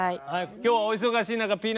今日はお忙しい中ぴぃ